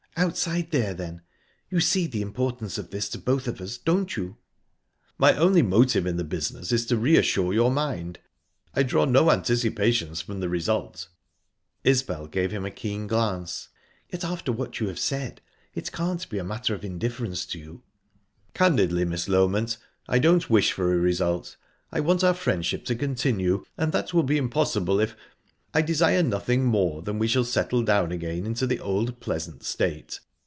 "Outside there, then. You see the importance of this to both of us, don't you?" "My only motive in the business is to re assure your mind. I draw no anticipations from the result." Isbel gave him a keen glance. "Yet after what you have said, it can't be a matter of indifference to you." "Candidly, Miss Loment, I don't wish for a result. I want our friendship to continue, and that will be impossible if...I desire nothing more than that we shall settle down again into the old pleasant state.